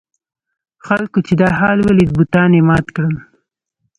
خلکو چې دا حال ولید بتان یې مات کړل.